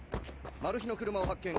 マル被の車を発見。